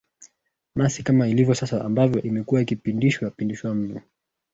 Na si kama ilivyo sasa ambavyo imekuwa ikipindishwa pindishwa mno